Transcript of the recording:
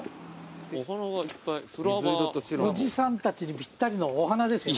おじさんたちにぴったりのお花ですよ。